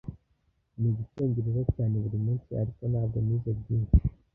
Niga Icyongereza cyane buri munsi, ariko ntabwo nize byinshi.